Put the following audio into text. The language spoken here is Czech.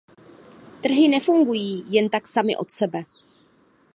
Trhy nefungují jen tak samy od sebe.